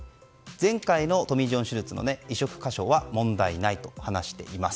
前回のトミー・ジョン手術の移植箇所は問題ないと話しています。